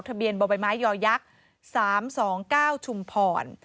เบียนบ่อใบไม้ยอยักษ์๓๒๙ชุมพร